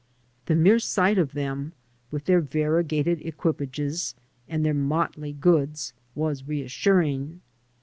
The mere sight of them, with their variegated equipages and their motley goods, was reassuring.